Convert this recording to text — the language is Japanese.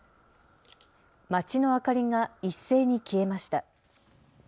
街の明かりが一斉に消えました。